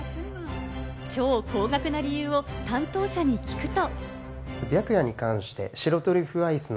超高額な理由を担当者に聞くと。